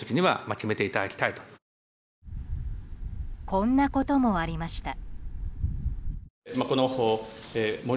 こんなこともありました。